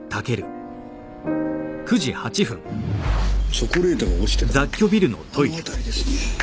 チョコレートが落ちてたのはあの辺りですね。